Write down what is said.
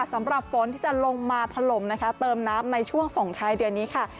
สำหรับฝนที่จะลงมาถล่มนะคะเติมน้ำในช่วงส่งท้ายเดือนนี้ค่ะ